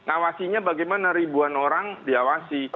awasinya bagaimana ribuan orang diawasi